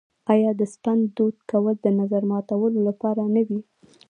آیا د سپند دود کول د نظر ماتولو لپاره نه وي؟